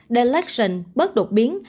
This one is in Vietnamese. the election bớt đột biến